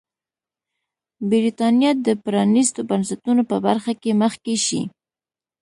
برېټانیا به د پرانیستو بنسټونو په برخه کې مخکې شي.